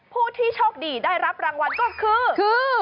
ผู้ที่โชคดีได้รับรางวัลก็คือ